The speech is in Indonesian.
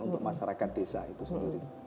untuk masyarakat desa itu sendiri